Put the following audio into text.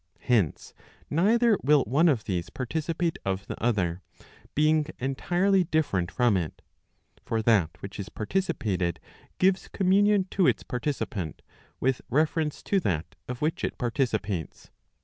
Hence neither will one of these participate of the other, being entirely different from it. For that which is participated, gives communion to its participant, with reference to that of which it participates.